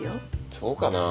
そうかなぁ？